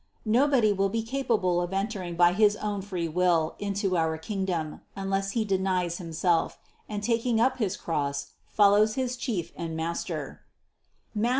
No body will be capable of entering by his own free will into our kingdom, unless he denies himself, and, taking up his cross, follows his Chief and Master (Matth.